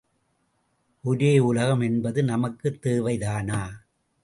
ஒரே யுலகம் என்பது நமக்குத் தேவைதானா?